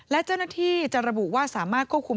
และเจ้าหน้าที่จะระบุว่าสามารถควบคุม